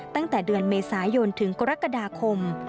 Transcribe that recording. ตั้งแต่เดือนเมษายนถึงกรกฎาคม